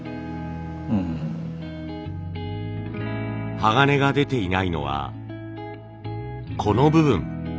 鋼が出ていないのはこの部分。